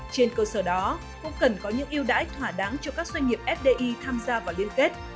trên cơ sở đó cũng cần có những yêu đãi thỏa đáng cho các doanh nghiệp fdi tham gia vào liên kết